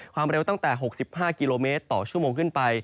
ความเร็วตั้งแต่๖๕กิโลเมตรต่อชั่วโมงขึ้นไป